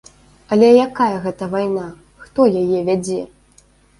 Але якая гэта вайна, хто яе вядзе?